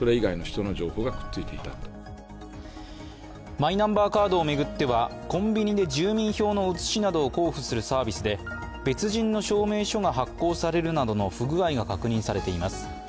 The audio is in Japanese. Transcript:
マイナンバーカードを巡ってはコンビニで住民票の写しなどを交付するサービスで別人の証明書が発行されるなどの不具合が確認されています。